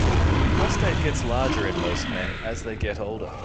The prostate gets larger in most men as they get older.